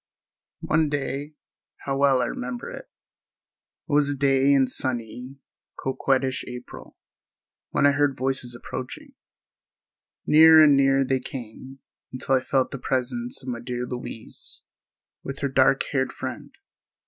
One day—how well I remember it!—it was a day in sunny, coquettish April—when I heard voices approaching. Nearer and nearer they came, until I felt the presence of my dear Louise with her dark haired friend.